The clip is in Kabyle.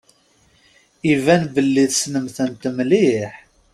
Iban belli tessnem-tent mliḥ.